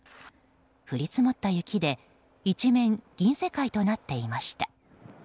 降り積もった雪で一面銀世界となっていました。